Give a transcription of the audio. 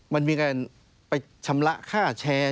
มันมีการไปชำระค่าแชร์